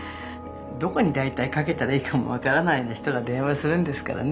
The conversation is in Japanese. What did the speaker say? どこに大体かけたらいいかも分からないような人が電話するんですからね。